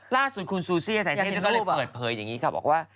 ล่าสุดคุณซูซี่ให้แถ่เท่นก็เลยเปิดเผยแบบนี้ค่ะ